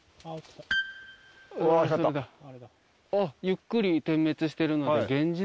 ゆっくり点滅してるので。